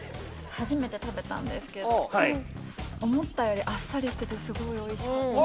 初めて食べたんですけど思ったよりあっさりしててすごいおいしかった。